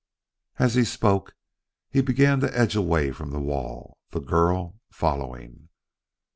As he spoke, he began to edge away from the wall, the girl following.